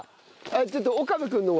ちょっと岡部君のは？